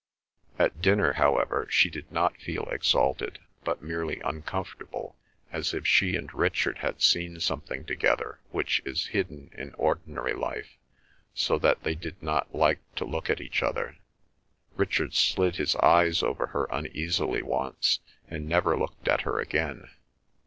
At dinner, however, she did not feel exalted, but merely uncomfortable, as if she and Richard had seen something together which is hidden in ordinary life, so that they did not like to look at each other. Richard slid his eyes over her uneasily once, and never looked at her again.